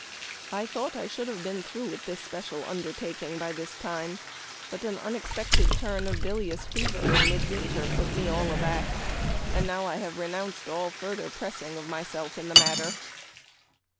I thought I should have been through this special undertaking by this time, but an unexpected turn of bilious fever in midwinter put me all aback, and now I have renounced all further pressing myself in the matter."